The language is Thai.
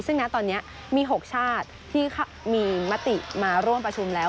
ซึ่งนะตอนนี้มี๖ชาติที่มีมติมาร่วมประชุมแล้ว